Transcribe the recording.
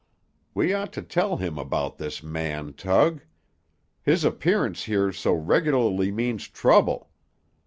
We ought to tell him about this man, Tug. His appearance here so regularly means trouble.